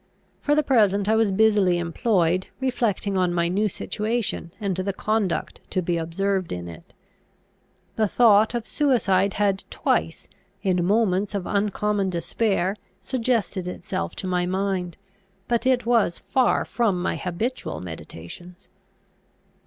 For the present I was busily employed, reflecting on my new situation, and the conduct to be observed in it. The thought of suicide had twice, in moments of uncommon despair, suggested itself to my mind; but it was far from my habitual meditations.